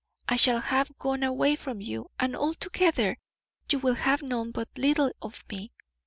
I shall have gone away from you, and altogether, you will have known but little of me.